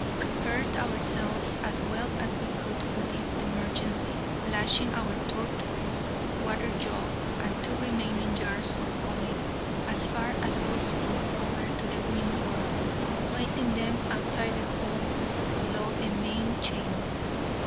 Prepared ourselves as well as we could for this emergency, lashing our tortoise, waterjug, and two remaining jars of olives as far as possible over to the windward, placing them outside the hull below the main chains.